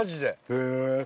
へえ。